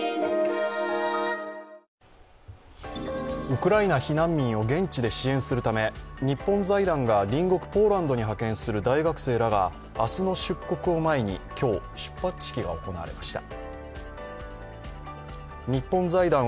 ウクライナ避難民を現地で支援するため日本財団が隣国ポーランドに派遣する大学生らが明日の出国を前に今日、出発式が行われました。